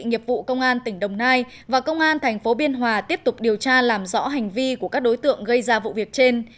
nghiệp vụ công an tỉnh đồng nai và công an tp biên hòa tiếp tục điều tra làm rõ hành vi của các đối tượng gây ra vụ việc trên